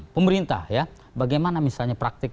pemerintah bagaimana misalnya praktik